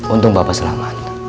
untung bapak selamat